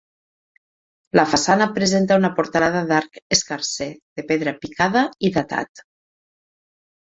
La façana presenta una portalada d'arc escarser, de pedra picada i datat.